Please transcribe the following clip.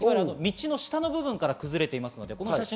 下の部分から崩れています。